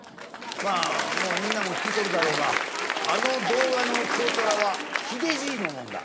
まあもうみんなも聞いとるだろうがあの動画の軽トラは秀じいのもんだ。